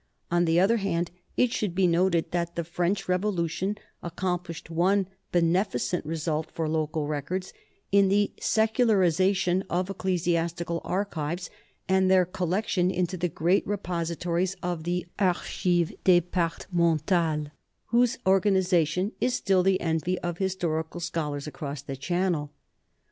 On the other hand, it should be noted that the French Revolution accomplished one beneficent result for local records in the secularization of ecclesiastical archives and their collection into the great repositories of the Archives Departementales, whose organization is still the envy of historical scholars across the Channel.